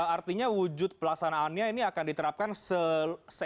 artinya wujud pelaksanaannya ini akan diterapkan se indonesia